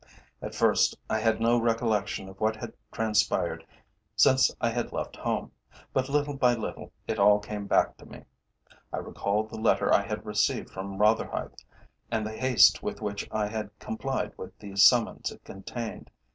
At first I had no recollection of what had transpired since I had left home, but little by little it all came back to me. I recalled the letter I had received from Rotherhithe, and the haste with which I had complied with the summons it contained.